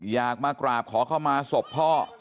อยากมากราบขอเข้ามาศพพ่อ